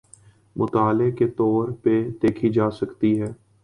مطالعے کے طور پہ دیکھی جا سکتی ہیں۔